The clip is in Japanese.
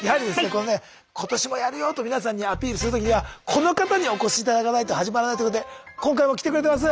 このね「今年もやるよ！」と皆さんにアピールするときにはこの方にお越し頂かないと始まらないということで今回も来てくれてます。